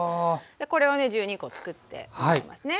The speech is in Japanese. これをね１２コつくっていきますね。